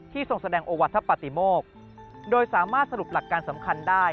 ทรงแสดงโอวัฒนปฏิโมกโดยสามารถสรุปหลักการสำคัญได้